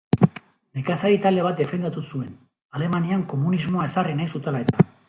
Nekazari talde bat defendatu zuen, Alemanian komunismoa ezarri nahi zutela-eta.